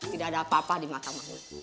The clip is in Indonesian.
tidak ada apa apa di mata manusia